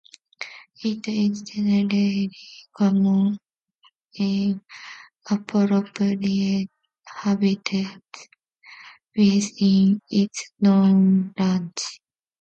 It is generally common in appropriate habitats within its known range.